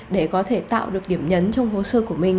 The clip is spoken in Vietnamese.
để có thể tạo được điểm nhấn trong hồ sơ của mình